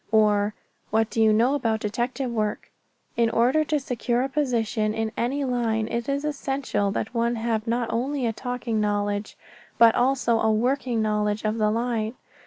or "What do you know about detective work?" In order to secure a position in any line it is essential that one have not only a talking knowledge, but also a working knowledge of the line.